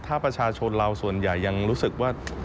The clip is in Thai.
ถ้าประชาชนเราส่วนใหญ่ยังรู้สึกว่า